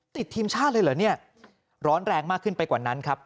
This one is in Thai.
ติดทีมชาติเลยเหรอเนี่ยร้อนแรงมากขึ้นไปกว่านั้นครับ